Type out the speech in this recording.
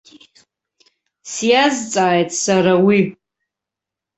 Сиазҵааит сара уи.